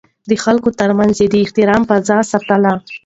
د خلکو ترمنځ يې د احترام فضا ساتله.